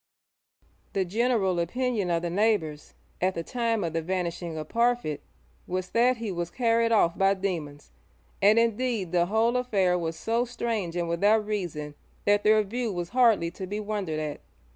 The general opinion of the neighbours at the time of the vanishing of Parfitt was that he was carried off by demons, and indeed the whole affair was so strange and without reason that their view was hardly to be wondered at.